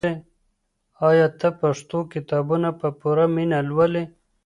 آیا ته پښتو کتابونه په پوره مینه لولې؟